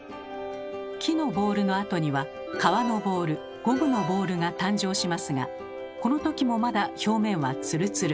木のボールのあとには皮のボールゴムのボールが誕生しますがこのときもまだ表面はツルツル。